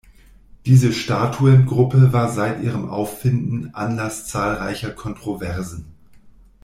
Diese Statuengruppe war seit ihrem Auffinden Anlass zahlreicher Kontroversen.